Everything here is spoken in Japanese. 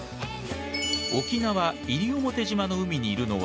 沖縄西表島の海にいるのは。